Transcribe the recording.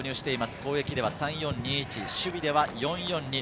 攻撃では３−４−２−１、守備では４−４−２。